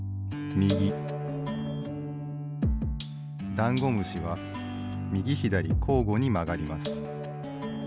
ダンゴムシはみぎひだりこうごにまがります。